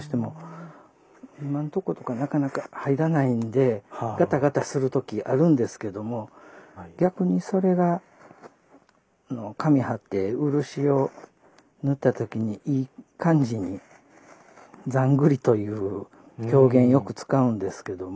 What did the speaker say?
今んとことかなかなか入らないんでガタガタする時あるんですけども逆にそれが紙貼って漆を塗った時にいい感じに「ざんぐり」という表現よく使うんですけども。